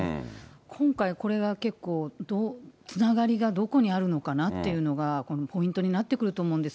今回、これは結構、つながりがどこにあるのかなっていうのがこのポイントになってくると思うんです。